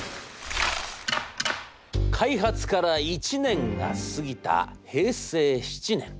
「開発から１年が過ぎた平成７年。